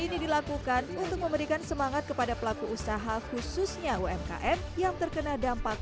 ini dilakukan untuk memberikan semangat kepada pelaku usaha khususnya umkm yang terkena dampak